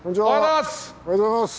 おはようございます。